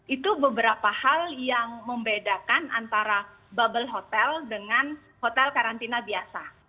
itu beberapa hal yang membedakan antara bubble hotel dengan hotel karantina biasa